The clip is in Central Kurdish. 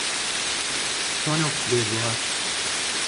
چۆن ئەو فکرەیەت بۆ ھات؟